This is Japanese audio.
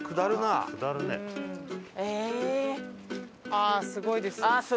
ああすごいです。